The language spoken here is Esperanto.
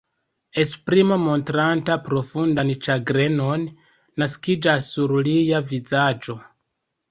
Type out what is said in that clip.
Esprimo, montranta profundan ĉagrenon, naskiĝas sur lia vizaĝo.